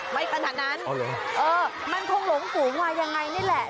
ไม่ขนาดนั้นเออมันคงหลงฝูงมายังไงนี่แหละ